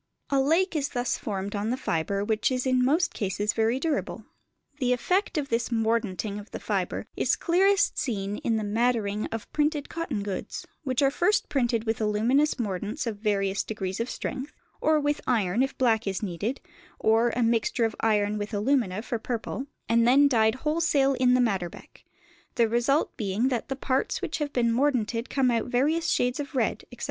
A lake is thus formed on the fibre which is in most cases very durable. The effect of this "mordanting" of the fibre is clearest seen in the maddering of printed cotton goods, which are first printed with aluminous mordants of various degrees of strength (or with iron if black is needed, or a mixture of iron with alumina for purple), and then dyed wholesale in the madder beck: the result being that the parts which have been mordanted come out various shades of red, etc.